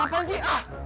apaan sih ah